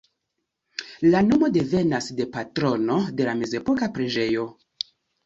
La nomo devenas de patrono de la mezepoka preĝejo.